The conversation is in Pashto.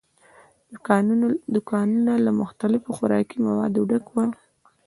دوکانونه له مختلفو خوراکي موادو ډک ول.